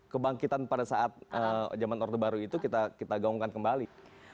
kebangkitan pada saat zaman orde baru itu kita gaungkan kembali